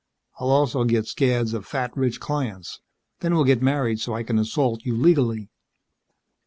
I'll also get scads of fat rich clients. Then we'll get married so I can assault you legally."